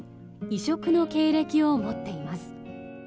異色の経歴を持っています。